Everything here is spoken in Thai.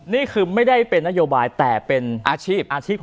นี่คือไม่ได้เป็นนโยบายแต่เป็นอาชีพอาชีพของ